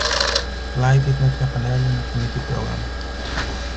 Fly did not have an airline affinity program.